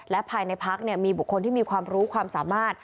และภายในพักมีบุคคลที่มีความรู้ความสามารถ